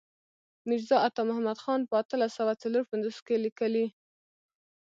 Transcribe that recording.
میرزا عطا محمد خان په اتلس سوه څلور پنځوس کې لیکلی.